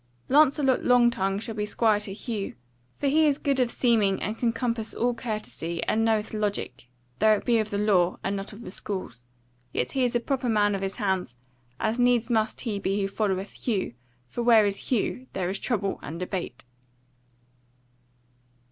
"Lancelot Longtongue shall be squire to Hugh; for he is good of seeming and can compass all courtesy, and knoweth logic (though it be of the law and not of the schools), yet is he a proper man of his hands; as needs must he be who followeth Hugh; for where is Hugh, there is trouble and debate.